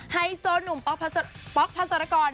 ไฮโซนุ่มป๊อกพระศรกร